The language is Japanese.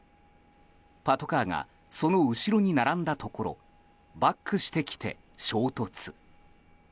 パトカーがその後ろに並んだところバックしてきて衝突。